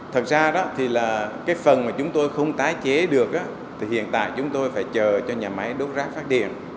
thật ra đó thì là cái phần mà chúng tôi không tái chế được thì hiện tại chúng tôi phải chờ cho nhà máy đốt rác phát điện